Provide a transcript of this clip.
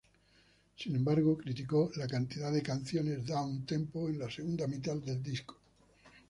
Sin embargo, criticó la cantidad de canciones "downtempo" en la segunda mitad del disco.